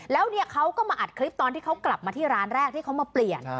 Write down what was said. แล้วเนี่ยเขาก็มาอัดคลิปตอนที่เขากลับมาที่ร้านแรกที่เขามาเปลี่ยน